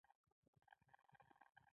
کتابچه د زده کړې تر ټولو وفاداره ملګرې ده